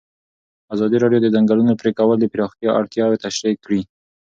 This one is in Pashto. ازادي راډیو د د ځنګلونو پرېکول د پراختیا اړتیاوې تشریح کړي.